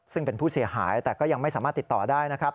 ซึ่งเป็นผู้เสียหายแต่ก็ยังไม่สามารถติดต่อได้นะครับ